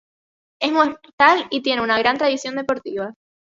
Es mortal y tiene una gran tradición deportiva".